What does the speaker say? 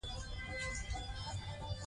پېغلې غازیانو ته څه رسول؟